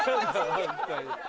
ホントに。